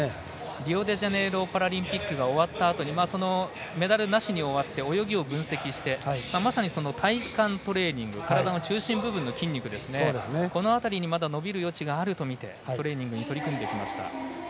リオデジャネイロパラリンピックが終わったあとにメダルなしに終わって泳ぎを分析してまさに、体幹トレーニング体の中心部分の筋肉この辺りにまだ伸びる余地があるとみてトレーニングに取り組んできました。